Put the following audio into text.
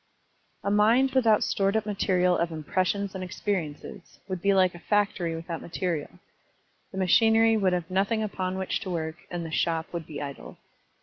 A mind without stored up material of impressions and experiences would be like a factory without material. The machinery would have nothing upon which to work, and the shop would be idle.